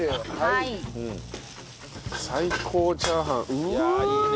いやいいね。